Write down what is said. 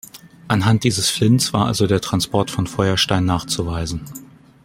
Anhand dieses Flints war also der Transport von Feuerstein nachzuweisen.